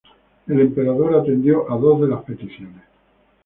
El emperador atendió a dos de las peticiones.